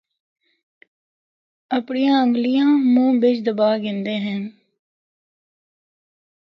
اپنڑیاں انگلیاں منہ بچ دبا گِھندے ہن۔